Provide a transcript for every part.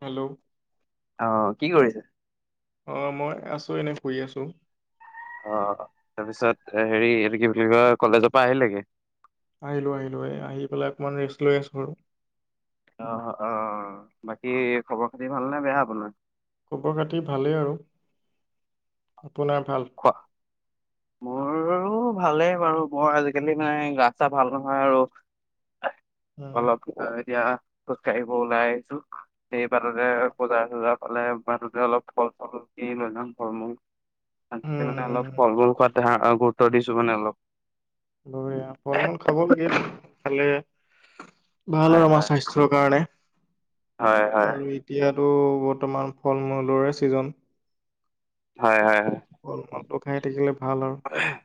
Hello অঁ কি কৰিছে? অঁ মই আছোঁ এনেই ফুৰি আছোঁ। অঁ তাৰপিছত হেৰি এইটো কি বুলি কয় কলেজৰ পা আহিলিগে। আহিলোঁ আহিলো। এই আহি পেলাই অকমান ৰেষ্ট লৈ আছোঁ আৰু। অঁ অঁ অঁ অঁ, বাকী খবৰ খাতি ভাল নে বেয়া আপোনাৰ? খবৰ খাতি ভালেই আৰু, আপোনাৰ ভাল? কোৱা। মোৰ ভালেই বাৰু, বৰ আজিকালি মানে গা চা ভাল নহয় আৰু। উম, অলপ এতিয়া খোজ কাঢ়িব ওলাই আহিছো। সেই বাটতে বজাৰ চজাৰ পালে বাততে অলপ ফল চল কিনি লৈ যাম ফল মূল। আজিকালি উম, মানে উম, অলপ ফল মূল খোৱাত গুৰুত্ব দিছো মানে অলপ। বঢ়িয়া, ফল মূল খাব লাগে খালে ভাল হয় আৰু আমাৰ হয় স্বাস্থ্য- ৰ কাৰণে হয় হয় আৰু এতিয়াতো বৰ্তমান ফল মূলৰে ছিজন। হয় হয় ফল মূলটো খাই থাকিলে ভাল আৰু। [unintelligible]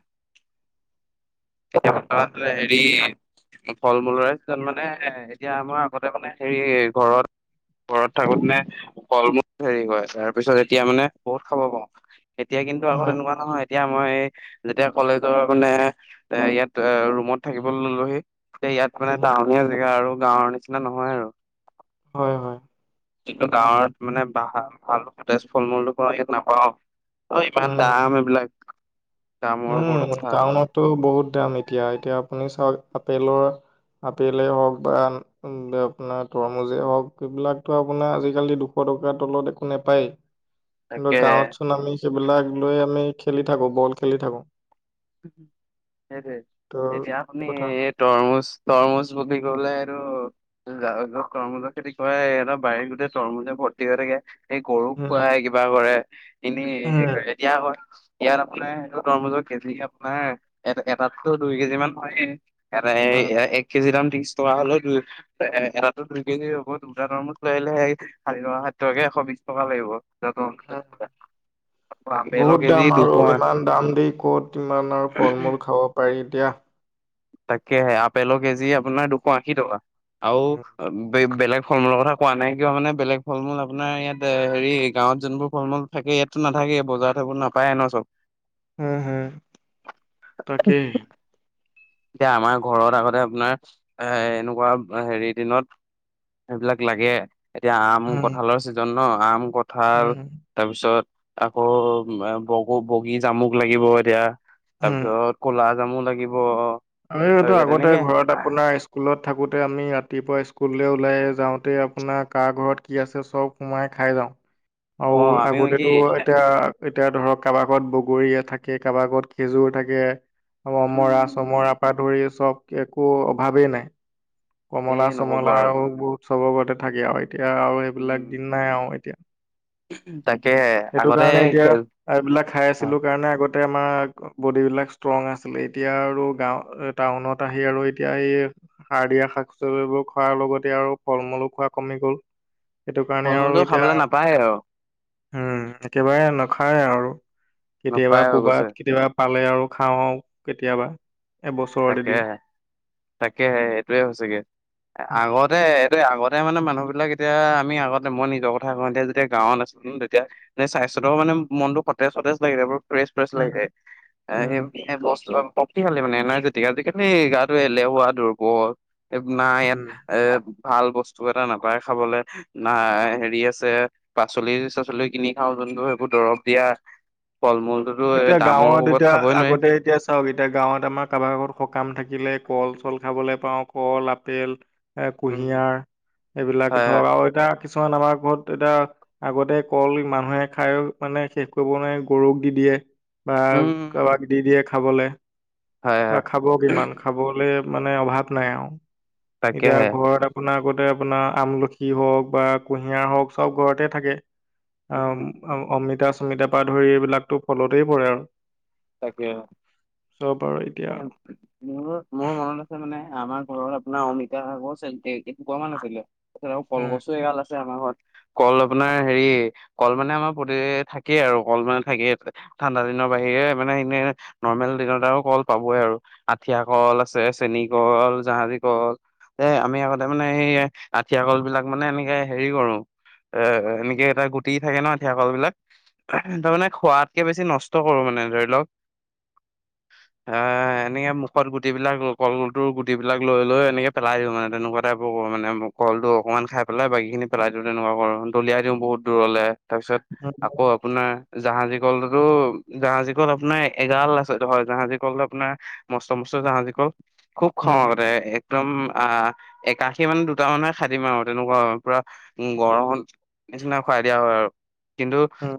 হেৰি- ফল মূলৰে ছিজন মানে এতিয়া আমাৰ আগতে মানে হেৰি ঘৰত- ঘৰত থাকোতে নে ফল মূল হেৰি কৰে তাৰ পিছত এতিয়া মানে বহুত খাব পাৰোঁ। এতিয়া কিন্তু আকৌ হয় তেনেকুৱা নহয়, এতিয়া মই যেতিয়া কলেজৰ মানে- এ ইয়াত ৰুমত থাকিবলে ললোহি তে ইয়াত মানে উম, টাঁহত- ধুনীয়া জেগা আৰু গাঁৱৰ নিচিনা নহয় আৰু। হয় হয়। কিন্তু, গাঁৱত মানে বাহ ভাল সতেজ ফল মূলটো পাওঁ ইয়াত নাপাওঁ। ঐ ইমান উম দাম এইবিলাক। দামৰ ওপৰতো উম কথা টাউনতো বহুত দাম এতিয়া, এতিয়া আপুনি চাওক আপেলৰ আপেলে হওক বা আপোনাৰ তৰমুজে হওক এইবিলাকটো আপোনাৰ আজিকালি দুশ টকাৰ তলত একো নেপায়। [inaudible] কিন্তু গাঁৱত তাকে। চোন আমি সেইবিলাক লৈ আমি খেলি থাকো বল খেলি থাকো। সেইটোৱে, ত এটিয়া আপুনি কথা তৰমুজ তৰমুজ বুলি ক'লে সেইটো যাৰ তৰমুজৰ খেতি কৰে হেঁতৰ বাৰীৰ গোটেই তৰমুজে ভৰ্তি হৈ থাকে। এই গৰুক উম, খুৱাই কিবা কৰে এনেই উম, হে কৰে এতিয়া আক' ইয়াত আপোনাৰ সেইটো তৰমুজৰ কেজি আপোনাৰ এ এটাত তো দুই কেজি মান হয়ে। এয়াতে উম, এক কেজি দাম ত্ৰিশ টকা হলে দুই এটাতো দুই কেজি হ'ব দুটা তৰমুজ লৈ আহিলে ষাঠি টকা ষাঠি টকাকে এশ বিশ টকা লাগিব। তৰমুজ আপেলৰ বহুত কেজি দাম আৰু দুশ ইমান দাম দি ক'ত কিমান আৰু ফল মূল খাব পাৰি দিয়া। তাকেহে আপেলৰ কেজি আপোনাৰ দুশ আশী টকা আৰু বেলেগ ফল মূলৰ কথা কোৱা নাই কিয় মানে বেলেগ ফলূল আপোনাৰ ইয়াত হেৰি গাঁৱত যোনবোৰ ফল মূল থাকে ইয়াততো নাথাকে বজাৰত সেইবোৰ নাপায় ন চব। হুম হুম তাকেই। এতিয়া আমাৰ ঘৰত আগতে আপোনাৰ এ এনেকুৱা হেৰি দিনত এইবিলাক লাগে এতিয়া আম, উম, কঁঠালৰ ছিজন ন আম, কঁঠাল। উম, তাৰপিছত আকৌ বগ বগী জামুক লাগিব এতিয়া। উম। তাৰপিছত কলা জামু লাগিব। আৰু এইটো তাৰপিছত আগতে তেনেকে ঘৰত আ পোনাৰ স্কুলত থাকোঁতে আমি ৰাতিপুৱা স্কুললৈ ওলাই যাওঁতে আপোনাৰ কাৰ ঘৰত কি আছে চব সোমাই খাই যাওঁ। অ আৰু আমিও কি আগতেতো এতিয়া এতিয়া ধৰক কাৰোবাৰ ঘৰত বগৰীয়ে থাকে, কাৰোবাৰ ঘৰত খেজুৰ থাকে, আৰু উম অমৰা চমৰা পৰা ধৰি চব একো অভাৱেই নাই। কমলা এই নক'ব আৰু। চমলাও চবৰ ঘৰতে থাকে আৰু এতিয়া আৰু সেইবিলাক দিন উম নাই আৰু এতিয়া। তাকেহে সেইটো আগতে কাৰণে এতিয়া খেল- এইবিলাক খাই আছিলো কাৰণে আগতে আমাৰ, বডি বিলাক ষ্ট্ৰং আছিলে এতিয়া আৰু গাঁও এ টাউনত আহি আৰু এতিয়া এই সাৰ দিয়া শাক পাচলিবোৰ খোৱাৰ লগতে আৰু ফল মূলো খোৱা কমি গ'ল। সেইটো কাৰণে ফল মূলটো আৰু খাবলৈ নাপায় আৰু এতিয়া উম একেবাৰে নাখায় আৰু নোখোৱাই কেতিয়াবা হৈ গৈছে কবাত কেতিয়াবা পালে আৰু খাওঁ আৰু কেতিয়াবা। এবছৰত তাকে, এদিন তাকেহে এইটোয়ে হৈছেগে। আগতে এইটো আগতে মানে মানুহ বিলাক এতিয়া আমি আগতে মই নিজৰ কথা ক‌ও এতিয়া যেতিয়া গাঁৱত আ ছিলো তেতিয়া স্বাস্থ্যটোও মানে, মনটো সতেজ সতেজ লাগে। ফ্ৰেছ ফ্ৰেছ উম লাগি যায়, উম শক্তিশালি মানে এনাৰজি টিক আজিকালি গাটো এলেহুৱা, দুৰ্বল না ইয়াত উম এ ভাল বস্তু এটা নাপায় খাবলৈ। না হেৰি আছে, পাচলি চাচলি কিনি খাওঁ যোনটো সেইবোৰ দৰব দিয়া। ফল মূল এতিয়া গাঁৱত এতিয়া আগতে এতিয়া এতিয়া গাঁৱত আমাৰ কাৰোবাৰ ঘৰত সকাম থাকিলে কল-চল খাবলৈ পাওঁ কল, আপেল। এ উম, কুঁহিয়াৰ এইবিলাক হয় হয়, ধৰক আৰু এতিয়া কিছুমান আমাৰ ঘৰত এতিয়া আগতে কল মানুহে খাই মানে শেষ কৰিব নোৱাৰে গৰুক দি দিয়ে। বা উম, কাবাক দি দিয়ে খাবলে। হয় খা হয়, খাব কিমান খাবলে মানে অভাৱ নাই আৰু এতিয়া তাকেহে, ঘৰত আপোনাৰ আগতে আপোনাৰ আমলখি হওক বা কুঁহিয়াৰ হওক চব ঘৰতে থাকে। উম, অ অমিতা-চমিতা পৰা ধৰি এইবিলাকতো ফলতেই পৰে আৰু তাকে‌ চব আৰু অ এতিয়া মোৰ মোৰ মনত আছে মানে আমাৰ ঘৰত আপোনাৰ অমিতা গছ এসোপামান আছিলে। তাৰপিছত উম, কলগছো এগাল আছে আমাৰ ঘৰত। কল আপোনাৰ হেৰি কল মানে আমাৰ প্ৰতি থাকেই আৰু কল মানে থাকেই। ঠাণ্ডা দিনৰ বাহিৰে মানে এনেই। নৰ্মেল দিনত আৰু কল পাবই আৰু আঠিয়া কল আছে, চেনী কল, জাহাজী কল। এ আমি আগতে মানে এই আঠিয়া কল বিলাক মানে এনেকে হেৰি কৰো এ এনেকে এটা গুটি থাকে ন আঠিয়া কল বিলাক। তাৰমানে খোৱাতকে বেছি নষ্ট কৰো মানে ধৰি লওক। এ এনেকে মুখত গুটি বিলাক কলটোৰ গুটি বিলাক লৈ লৈ এনেকে পেলাই দিওঁ মানে তেনেকুৱা। টাইপৰ কৰো মানে কলটো অকনমান খাই পেলাই বাকী খিনি পেলাই দিও তেনেকুৱা কৰো দলিয়াই দিওঁ বহুত দূৰলে। তাৰপিছত উম, আকৌ আপোনাৰ জাহাজী কলতোটো জাহাজী কল আপোনাৰ এগাৰ আছেত হয় জাহাজী কলটো আপোনাৰ মস্ত মস্ত জাহাজী কল। খুব খাও উম। আগতে। একদম আহ একাশী মানে দুটামানহে খাই দিম আৰু তেনেকুৱা পুৰা উম গৰমত, নিচিনা খুৱাই দিয়া হয় আৰু কিন্তু উম।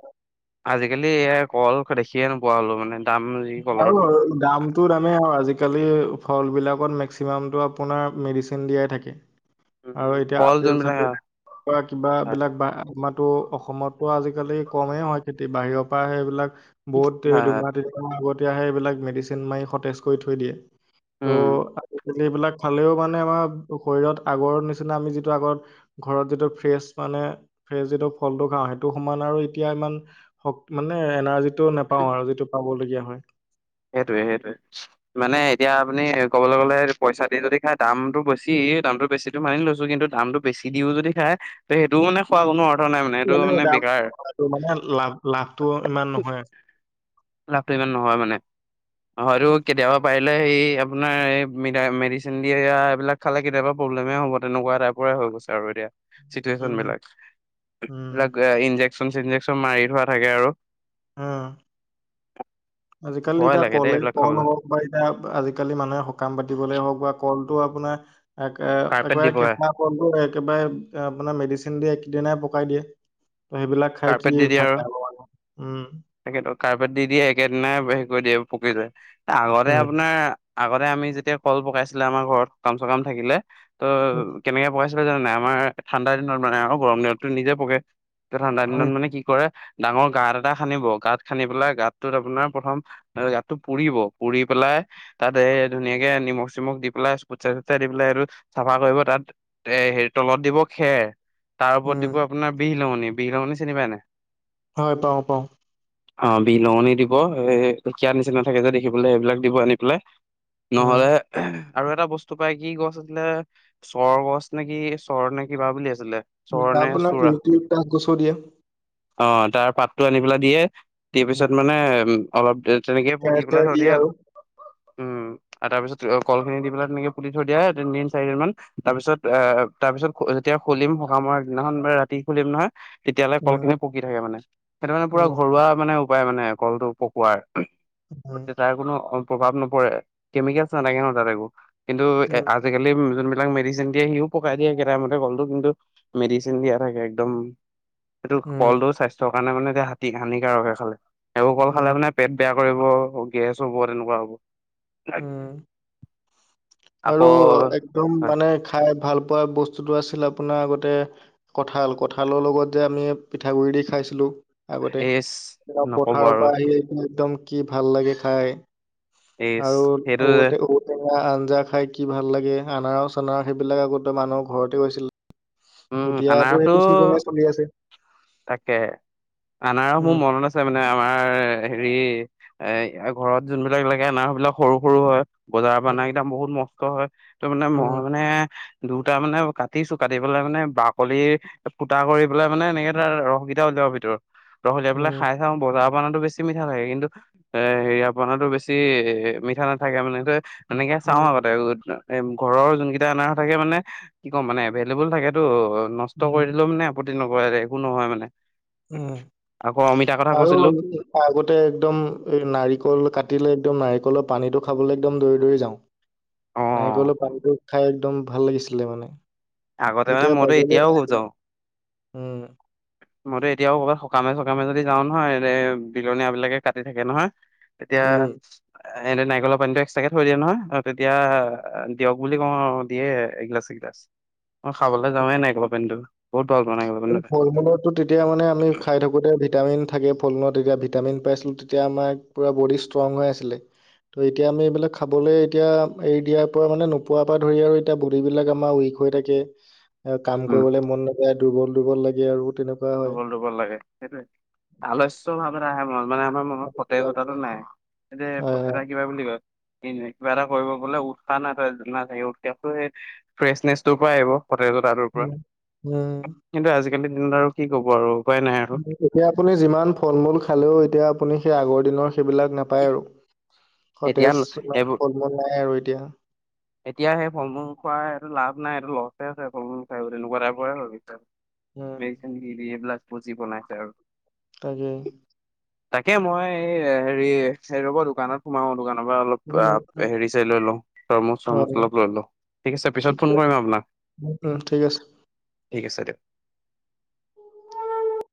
আজিকালি এ কল দেখিয়ে নোপোৱা হলো মানে। দাম যি হয় কলৰ বাৰু দামতটো দামেই আৰু আজিকালি ফল বিলাকত মেক্সিমামটো আপোনাৰ মেডিচিন দিয়াই থাকে। আৰু উম, এতিয়া কল আপেল যোনবিলাক হয়, চাপেল হয়, কিবাবিলাক বা আমাৰ ত অসমতো আজিকালি কমেই হয় খেতি বাহিৰৰ পৰা হে সেইবিলাক বহুত হয়, হয়, আগতিয়াহে সেই এইবিলাক মেডিচিন মাৰি সতেজ কৰি থৈ দিয়ে ত উম। এইবিলাক খালেও মানে আমাৰ শৰীৰত আগৰ নিচিনা আমি যিটো আগত ঘৰত যিটো ফ্ৰেচ মানে ফ্ৰেচ যিটো ফলটো খাওঁ সেইটো সমান আৰু এতিয়া ইমান, মানে এনাৰ্জিটো নেপাও আৰু যিটো পাবলগীয়া হয়। সেইটোৱে সেইটোৱে মানে এতিয়া আপুনি ক'বলৈ গ'লে পইচা দি যদি খায় দামটো বেছি দামটো বেছিটো মানি লৈছোঁ কিন্তু দামটো বেছি দিও যদি খায়। ত সেইটো মানে। খোৱা কোনো অৰ্থ নাই মানে এইটো মানে দাম বেকাৰ। আৰু মানে লাভ লাভটো ইমান নহয় লাভটো ইমান নহয় মানে। হয়তো কেতিয়াবা পাৰিলে সেই আপোনাৰ এই মেডিচিন দিয়া এইবিলাক। খালে কেতিয়াবা প্ৰব্লেমে হ'ব তেনেকুৱা টাইপৰে হৈ গৈছে আৰু এতিয়া। চিটুৱেচন উম বিলাক এইবিলাক উম ইনজেকচন চনজেকচন মাৰি থোৱা থাকে আৰু উম, আজিকালি ভয় এতিয়া লাগে দেই কলেই এইবিলাক কল খাবলৈ, হওক, এতিয়া আজিকালি মানুহে সকাম পাতিবলে হওক বা কলটো আপোনাৰ। এক কাৰ্পেট একবাৰ দি কে পকাই, একেবাৰে আপোনাৰ মেডিচিন দিয়ে একেইদিনাই পকাই দিয়ে। ত' সেইবিলাক খাই কিনিয়ে যাব আৰু উমঁ। সেইটোৱেটো, কাৰোবাক দি দিয়ে একেদিনাই হেৰি কৰি দিয়ে পুকে ধৰে। আগতে উম, আপোনাৰ- আগতে আমি যেতিয়া কল পকাইছিলে আমাৰ ঘৰত সকাম- চকাম থাকিলে, ত' উম, কেনেকে পকাইছিলে। জান নাই আমাৰ ঠাণ্ডা দিনত মানে আৰু গৰম দিনতো নিজে পকে, ঠাণ্ডা দিনত হয়। মানে কি কৰে- ডাঙৰ গাঁত এটা- খানিব, গাঁত খান্দি পেলাই গাতটোত আপোনাৰ প্ৰথম গাতটো পুৰিব, পুৰি পেলাই- তা'তে এই ধুনীয়াকে নিমখ-চিমখ দি পেলাই ফুটছাই-চুটছাই দি পেলাই আৰু চাফা কৰিব, তা'ত- এ' হেৰি তলত দিব খেৰ, তাৰ ওপৰত উম, দিব আপোনাৰ বিলঙনি। বিলঙনি চিনি পাই নাই? হয়, পাওঁ-পাওঁ। অঁহ', বিলঙনি দিব, এই ঢেঁকিয়া নিচিনা থাকে যে দেখি পেলাই এইবিলাক দিব আনি পেলাই। উম, নহ'লে আৰু এটা বস্তু পাই, কি গছ আছিলে- চৰ গছ নেকি, চৰ নে কিবা বুলি আছিলে। আপোনাৰ ইউকেলিপ্তাছ গছৰ দিয়ে। অহ', তাৰ পাতটো আনি পেলাই দিয়ে। দি পিছত মানে উম- অলপ দি তেনেকে খেৰ পুতি পেলাই চেৰ থৈ দিয়ে, আৰু। উমঁ। আৰু তাৰপিছত কলখিনি দি পেলাই তেনেকে পুলি থৈ দিয়ে তিনি দিন, চাৰিদিনমান। তাৰ পিছত আঁহ তাৰ পিছত যেতিয়া খুলিম সকামৰ দিনাখন বা ৰাতি খুলিম নহয়- তেতিয়াহ'লে কল উম, খিনি পকি থাকে মানে। সেইটো মানে পুৰা উম, ঘৰুৱা মানে উপায় মানে কলটো পকোৱাৰ। উম, তাৰ কোনো প্ৰভাৱ নপৰে কেমিকেলছ নালাগে ন' তা'ত একো কিন্তু উম, আজিকালি যোনবিলাক মেডিচিন দিয়ে সিও পকাই দিয়ে একেমতে কলটো, কিন্তু- মেডিচিন দিয়া থাকে একদম। সেইটো উম, কলটো স্বাস্থ্যৰ কাৰণে মানে এতিয়া হানিকাৰক'হে। খালে সেইবোৰ কল উম, খালে মানে- পেট বেয়া কৰিব, গেছ হ'ব, তেনেকুৱা হ'ব। উম। আৰু আকৌ একদম হয় মানে খাই ভাল পোৱা বস্তুটো আছিল আপোনাৰ আগতে- কঁঠাল, কঁঠালৰ লগত যে আমি পিঠাগুড়ি দি খাইছিলোঁ। আগতে এইজ নকব পথাৰৰ আৰু পৰা আহি আহ একদম কি ভাল লাগে খাই। এইজ আৰু সেইটো যে ঔ আঞ্জা খাই কি ভাল লাগে, আনাৰচ-চানাৰচ সেইবিলাক আগতে মানুহৰ ঘৰতে আছিলে। উম এতিয়াতো সেইটো চিজনে চলি আছে। তাকে'হে, আনাৰচ মোৰ উম মনত আছে। আছে মানে আমাৰ হেৰি এ' ঘৰত যোনবিলাক লাগে আনাৰচ বিলাক সৰু-সৰু হয়। বজাৰৰ অনা উম কেইটা বহুত নষ্ট হয়। ত' মানে মই উম মানে দুটা মানে কাটিছো, কাটি- পেলাই মানে বাকলি ফুটা কৰি পেলাই মানে এনেকে ধৰা ৰস কেইটা উলিয়াব ভিতৰত। ৰস ওলিয়াই পেলাই উম খাই চাওঁ বজাৰৰ পৰা অনাটো বেছি মিঠা লাগে, কিন্তু- এ' হেৰিয়া পৰাটো বেছি এ' মিঠা নাথাকে মানে। ত'- এনেকে চাওঁ আগতে। এ' ঘৰৰ যোন কেইটা আনাৰচ থাকে মানে কি কম মানে এ'- থাকেতো, নষ্ট উম কৰি উম দিলেও মানে আপত্তি নকৰে দে একো নহয় মানে। উম আকৌ অমিতাৰ কথা আৰু কৈছিলো। আগতে একদম এ' নাৰিকল কাটিলে একদম নাৰিকলৰ পানীটো খাবলৈ একদম দৌৰি-দৌৰি যাওঁ। অ নাৰীকলৰ পানীটো খাই একদম ভাল লাগিছিলে মানে। আগতে মানে এতিয়া মইতো পাবলৈ নাই এতিয়াও যাওঁ। উম মইতো এতিয়াও কৰ'বাত সকামে-চকামে যদি যাওঁ নহয় এ বিলনীয়া বিলাকে কাটি থাকে নহয়। তেতিয়া- উম হেঁতে নাৰিকলৰ পানীটো এক্সট্ৰাকে থৈ দিয়ে নহয় তেতিয়া দিয়ক বুলি কওঁ আৰু দিয়ে এগিলাছ এগিলাছ মই খাবলৈ যাৱে নাৰিকলৰ পানীটো বহুত ভাল পাওঁ না ফল মূলতো তেতিয়া মানে আমি খাই থাকোতে ভিটামিন থাকে ফল মূলত তেতিয়া ভিটামিন পাইছিলোঁ তেতিয়া আমাৰ পূৰা বডি ষ্ট্ৰং হৈ আছিলে ত এতিয়া আমি এইবিলাক খাবলৈ এতিয়া এৰি দিয়াৰ পৰা মানে নোপোৱাৰ পা ধৰি আৰু এতিয়া বডিবিলাক আমাৰ উইক হৈ থাকে এ কাম উম কৰিবলে মন নকৰে দুৰ্বল দুৰ্বল লাগে আৰু তেনেকুৱা হয় দূৰ্বল দূৰ্বল লাগে সেইটোৱে আলস্য ভাৱ আহে মন মানে আমাৰ মনত সতেজতাটো নাই এ হয় হয় এটা কিবা বুলি কয় এ কিবা এটা কৰিব বোলে উৎসাহ না নাথাকিব ফ্ৰেছনেছ টো পা আহিব সতেজতা তোৰ পৰা উম উম কিন্তু আজিকালিৰ দিনত আৰু কি ক'ব আৰু উপায় নাই আৰু এতিয়া আপুনি যিমান ফল মূল খালেও এতিয়া আপুনি সেই আগৰ দিনৰ সেইবিলাক নাপায় আৰু এতিয়া সতেজ নাই এইবোৰ আৰু এতিয়া এতিয়া সেই ফল মূল খোৱা এইটো লাভ নাই এইটো লছে আছে ফল মূল খাই বুলি এনেকুৱা টাইপৰে হৈ গৈছে উম মেডিচিন দি দি এইবিলাক পুজি বনাইছে আৰু তাকে তাকে মই এই হেৰি এই ৰব দোকানত সোমাও দোকানৰ পৰা অলপ উম, অ উম, হেৰি চেৰি লৈ লওঁ তৰমুচ অলপ হয় লৈ লওঁ ঠিক আছে পিছত ঠিকে ফোন কৰিম আপোনাক উম, ঠিক আছে ঠিক আছে দিয়ক